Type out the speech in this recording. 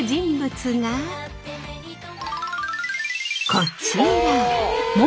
こちら！